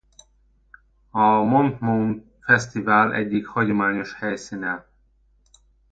A Monmouth Festival egyik hagyományos helyszíne.